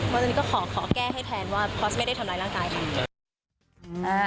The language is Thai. วันนี้ก็ขอแก้ให้แทนว่าพอสไม่ได้ทำร้ายร่างกายค่ะ